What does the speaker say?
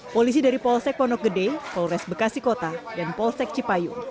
polisi dari polsek pondok gede polres bekasi kota dan polsek cipayung